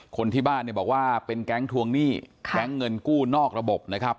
คนที่บ้านเนี่ยบอกว่าเป็นแก๊งทวงหนี้แก๊งเงินกู้นอกระบบนะครับ